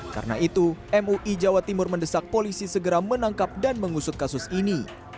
karena itu mui jawa timur mendesak polisi segera menangkap dan mengusut kasus ini